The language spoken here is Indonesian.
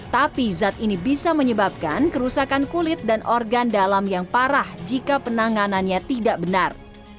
tapi zat ini bisa menyebabkan kerusakan kulit dan organ dalam yang parah jika penanganannya tidak benar